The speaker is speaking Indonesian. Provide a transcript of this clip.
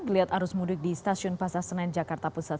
geliat arus mudik di stasiun pasar senen jakarta pusat